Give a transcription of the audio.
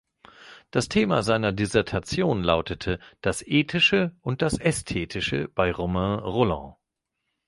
Das Thema seiner Dissertation lautete "Das Ethische und das Ästhetische bei Romain Rolland".